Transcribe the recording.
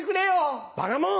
ばかもん！